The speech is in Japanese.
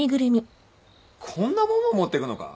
こんなもんも持ってくのか？